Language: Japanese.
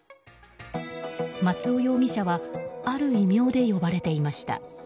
松尾容疑者はある異名で呼ばれていました。